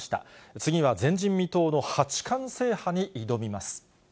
次は前人未到の八冠制覇に挑みます。